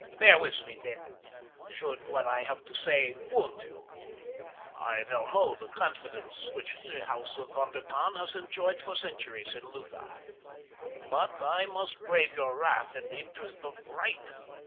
"Bear with me then, should what I have to say wound you. I well know the confidence which the house of Von der Tann has enjoyed for centuries in Lutha; but I must brave your wrath in the interest of right.